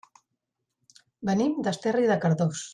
Venim d'Esterri de Cardós.